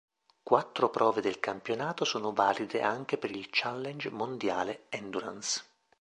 Quattro prove del Campionato sono valide anche per il Challenge mondiale endurance.